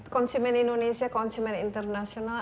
konsumen indonesia konsumen internasional